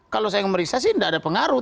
kalau saya memeriksa sih tidak ada pengaruh